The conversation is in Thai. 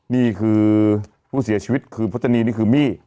นี่คือผู้เสียชีวิตคือพจนีนี่คือมี่